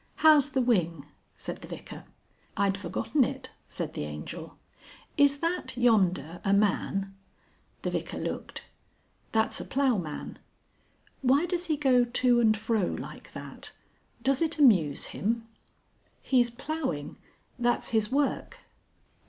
"How's the wing?" said the Vicar. "I'd forgotten it," said the Angel. "Is that yonder a man?" The Vicar looked. "That's a ploughman." "Why does he go to and fro like that? Does it amuse him?" "He's ploughing. That's his work."